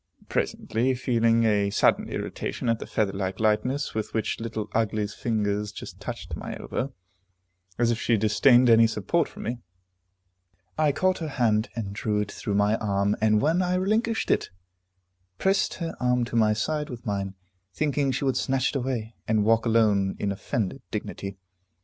Presently, feeling a sudden irritation at the feather like lightness with which Little Ugly's fingers just touched my elbow, as if she disdained any support from me, I caught her hand and drew it through my arm, and when I relinquished it, pressed her arm to my side with mine, thinking she would snatch it away, and walk alone in offended dignity.